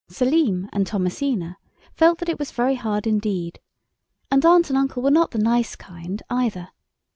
Selim and Thomasina felt that it was very hard indeed. And aunt and uncle were not the nice kind, either.